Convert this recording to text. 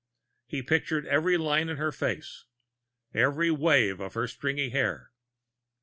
He pictured every line of her face, every wave of her stringy hair....